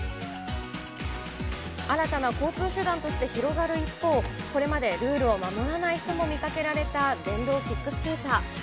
新たな交通手段として広がる一方、これまでルールを守らない人も見かけられた電動キックスケーター。